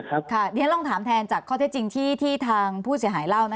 ขอถามแทนจากข้อเท็จจริงที่ทางผู้เสียหายเล่า